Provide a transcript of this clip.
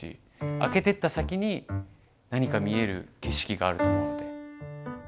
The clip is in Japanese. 開けてった先に何か見える景色があると思うので。